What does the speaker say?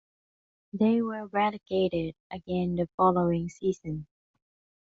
They were relegated again the following season.